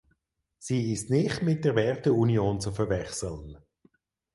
Sie ist nicht mit der Werteunion zu verwechseln.